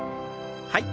はい。